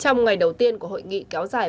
trong ngày đầu tiên của hội nghị kéo dài